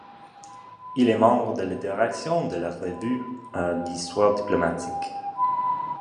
Il est membre de la direction de la Revue d'histoire diplomatique.